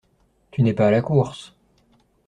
Tu n’es pas à la course…